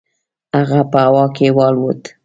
هغه په هوا کې والوت.